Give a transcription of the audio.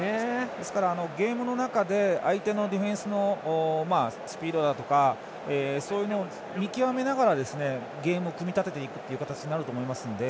ですから、ゲームの中で相手のディフェンスのスピードだとかそういうのを見極めながらゲームを組み立てていく形になると思いますので。